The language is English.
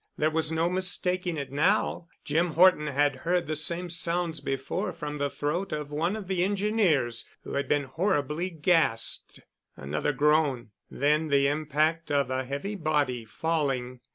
There was no mistaking it now. Jim Horton had heard the same sounds before from the throat of one of the Engineers who had been horribly gassed. Another groan, then the impact of a heavy body falling.